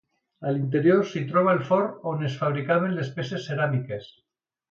A l'interior s'hi troba el forn on es fabricaven les peces ceràmiques.